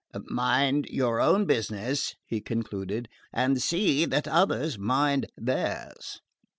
"Mind your own business," he concluded, "and see that others mind theirs."